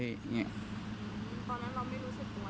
ตอนนั้นเราไม่รู้สุดนะ